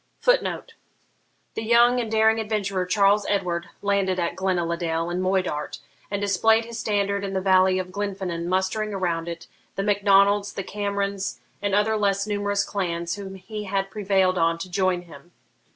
[Footnote: The young and daring adventurer, Charles Edward, landed at Glenaladale, in Moidart, and displayed his standard in the valley of Glenfinnan, mustering around it the Mac Donalds, the Camerons, and other less numerous clans, whom he had prevailed on to join him.